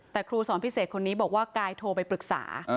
แต่ครูสอนพิเศษคนนี้บอกว่ากายโทรไปปรึกษา